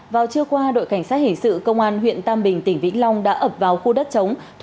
vào trưa qua đội cảnh sát hình sự công an huyện tam bình tỉnh vĩnh long đã ập vào khu đất chống